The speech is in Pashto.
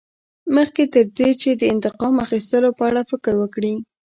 مخکې تر دې چې د انتقام اخیستلو په اړه فکر وکړې.